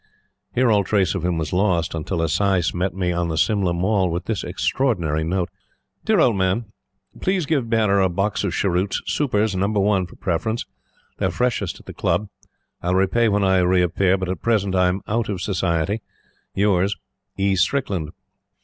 Here all trace of him was lost, until a sais met me on the Simla Mall with this extraordinary note: "Dear old man, "Please give bearer a box of cheroots Supers, No. I, for preference. They are freshest at the Club. I'll repay when I reappear; but at present I'm out of Society. "Yours, "E. STRICKLAND."